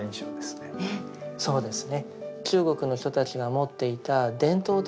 そうですね。